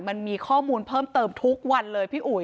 มันมีข้อมูลเพิ่มเติมทุกวันเลยพี่อุ๋ย